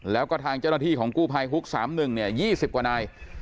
แล้วก็ทางเจ้าหน้าที่ของกู้พายฮุกสามหนึ่งเนี่ยยี่สิบกว่านาย